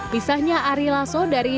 pistola yang diperlukan untuk mencari